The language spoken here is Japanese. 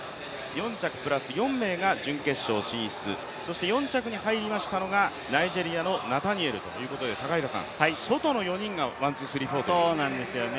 ４着プラス４名が準決勝進出そして４着に入りましたのが、ナイジェリアのナタリエルということで外の４人がワン、ツー、スリー、フォーですね。